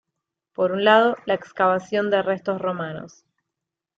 Por un lado, la excavación de restos romanos.